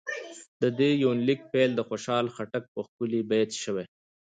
د دې يونليک پيل د خوشحال خټک په ښکلي بېت شوې